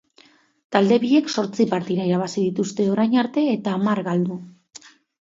Talde biek zortzi partida irabazi dituzte orain arte, eta hamar galdu.